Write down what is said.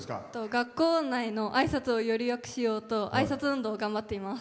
学校内のあいさつをよりよくしようとあいさつ運動を頑張っています。